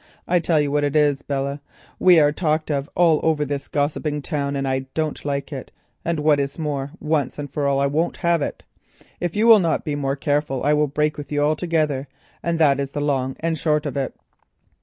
I tell you what it is, Belle. We are talked of all over this gossiping town, and I don't like it, and what is more, once and for all, I won't have it. If you will not be more careful, I will break with you altogether, and that is the long and short of it."